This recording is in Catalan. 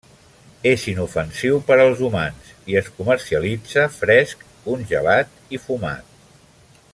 És inofensiu per als humans i es comercialitza fresc, congelat i fumat.